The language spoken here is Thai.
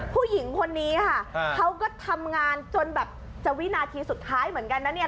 ผู้หญิงคนนี้เขาก็ทำงานจนวินาทีสุดท้ายเหมือนกันนะ